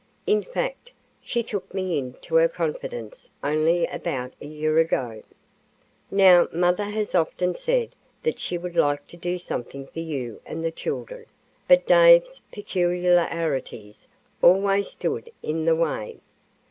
In fact, she took me into her confidence only about a year ago. "Now, mother has often said that she would like to do something for you and the children, but Dave's peculiarities always stood in the way.